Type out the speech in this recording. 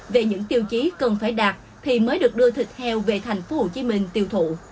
về những tiêu chí cần phải đạt thì mới được đưa thịt heo về thành phố hồ chí minh tiêu thụ